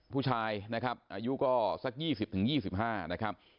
ผู้ชายนะครับอายุก็สักยี่สิบถึงยี่สิบห้านะครับ